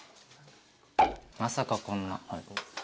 まさかこんな。